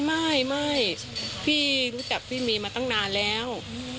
ไม่พี่รู้จักพี่เมย์มาตั้งนานแล้ว